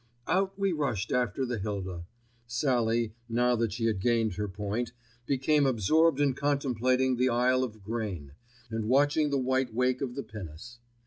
Out we rushed after the Hilda. Sallie, now that she had gained her point, became absorbed in contemplating the Isle of Grain, and watching the white wake of the pinnace.